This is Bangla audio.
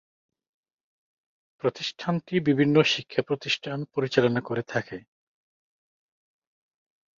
প্রতিষ্ঠানটি বিভিন্ন শিক্ষাপ্রতিষ্ঠান পরিচালনা করে থাকে।